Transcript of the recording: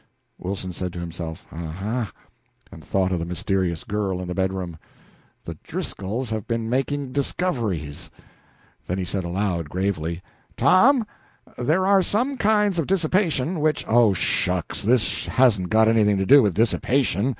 Wilson said to himself, "Aha!" and thought of the mysterious girl in the bedroom. "The Driscolls have been making discoveries!" Then he said aloud, gravely: "Tom, there are some kinds of dissipation which " "Oh, shucks, this hasn't got anything to do with dissipation.